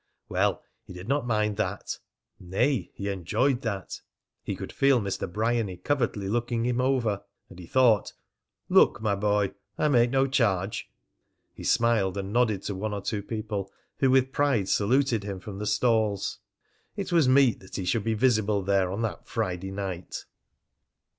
Well, he did not mind that; nay, he enjoyed that. He could feel Mr. Bryany covertly looking him over. And he thought: "Look, my boy! I make no charge." He smiled and nodded to one or two people who with pride saluted him from the stalls. It was meet that he should be visible there on that Friday night!